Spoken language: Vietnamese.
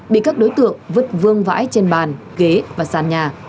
bị các đối tượng vứt vương vãi trên bàn ghế và sàn nhà